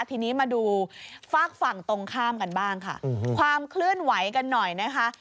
ทีนี้มาดูฝากฝั่งตรงข้ามกันบ้างค่ะความเคลื่อนไหวกันหน่อยนะคะ